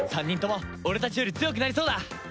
３人とも俺たちより強くなりそうだ！